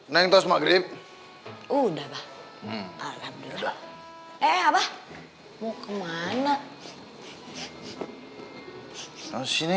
sampai jumpa di video selanjutnya